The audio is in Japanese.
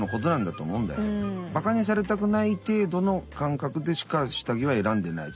バカにされたくない程度の感覚でしか下着は選んでない。